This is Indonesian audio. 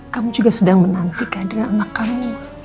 kamu juga sedang menantikan dengan anak kamu